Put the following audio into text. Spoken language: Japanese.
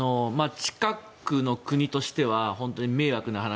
近くの国としては本当に迷惑な話。